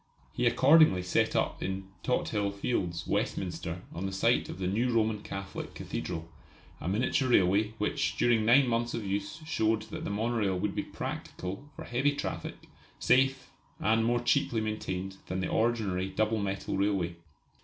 He accordingly set up in Tothill Fields, Westminster, on the site of the new Roman Catholic Cathedral, a miniature railway which during nine months of use showed that the monorail would be practical for heavy traffic, safe, and more cheaply maintained than the ordinary double metal railway.